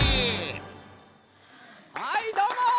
はいどうも！